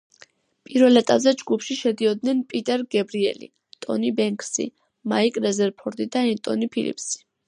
პირველ ეტაპზე ჯგუფში შედიოდნენ პიტერ გებრიელი, ტონი ბენქსი, მაიკ რეზერფორდი და ენტონი ფილიპსი.